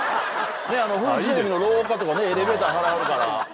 フジテレビの廊下とかねエレベーター。